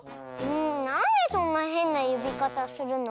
なんでそんなへんなよびかたするの？